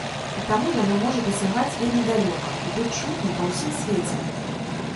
І таму яно можа дасягаць вельмі далёка і быць чутным па ўсім свеце.